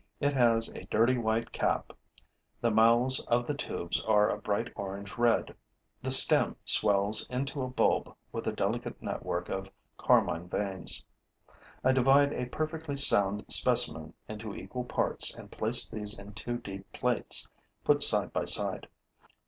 It has a dirty white cap; the mouths of the tubes are a bright orange red; the stem swells into a bulb with a delicate network of carmine veins. I divide a perfectly sound specimen into equal parts and place these in two deep plates, put side by side.